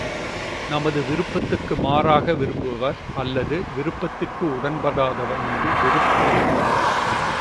நமது விருப்பத்திற்கு மாறாக விரும்புவர் அல்லது விருப்பத்திற்கு உடன்படாதவர் மீது வெறுப்பு ஏற்படும்.